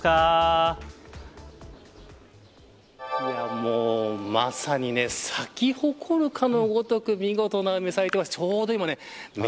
もう、まさに咲き誇るかのごとく見事な梅が咲いています。